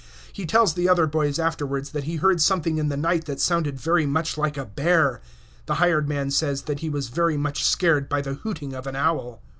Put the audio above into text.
He tells the other boys afterwards that he heard something in the night that sounded very much like a bear. The hired man says that he was very much scared by the hooting of an owl.